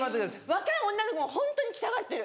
若い女の子もホントに来たがってる。